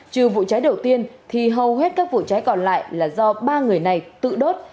trừ vụ cháy đầu tiên thì hầu hết các vụ cháy còn lại là do ba người này tự đốt